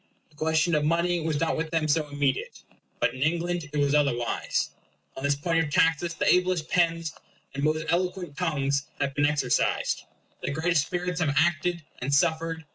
The question of money was not with them so immediate. But in England it was otherwise. On this point of taxes the ablest pens, and most eloquent tongues, have been exercised; the greatest spirits have acted and suffered.